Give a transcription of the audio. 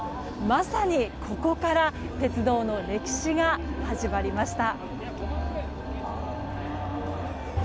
まさに、ここから鉄道の歴史が始まりました。